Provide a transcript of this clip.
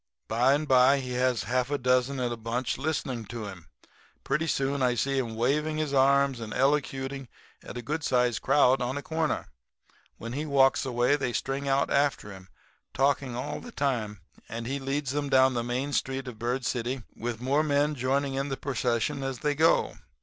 By and by he has half a dozen in a bunch listening to him; and pretty soon I see him waving his arms and elocuting at a good sized crowd on a corner. When he walks away they string out after him, talking all the time; and he leads 'em down the main street of Bird City with more men joining the procession as they go.